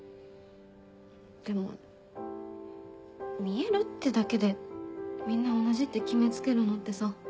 でも見えるってだけでみんな同じって決め付けるのってさ